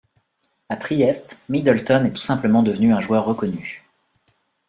A Trieste, Middleton est tout simplement devenu un joueur reconnu.